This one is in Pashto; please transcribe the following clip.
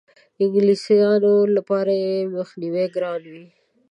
انګلیسیانو لپاره یې مخنیوی ګران وي.